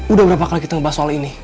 udah berapa kali kita membahas soal ini